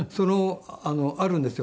あるんですよ。